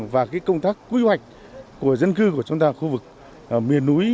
và cái công tác quy hoạch của dân cư của chúng ta khu vực miền núi